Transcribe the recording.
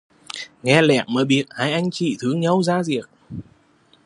Nghe lén mới biết hai anh chị thương nhau da diết